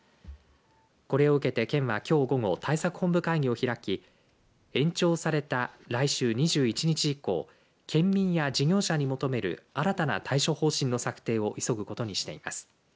これを受けて県はきょう午後対策本部会議を開き延長された来週２１日以降県民や事業者に求める新たな対処方針の策定を急ぐことにしています。